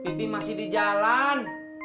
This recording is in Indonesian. pipi masih di jalan